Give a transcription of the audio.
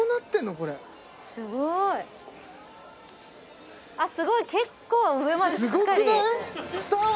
これすごいあっすごい結構上までしっかりすごくない？